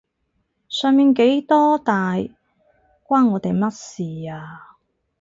上面幾多大關我哋乜事啊？